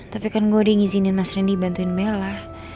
tapi kan gue udah ngizinin mas randy bantuin bella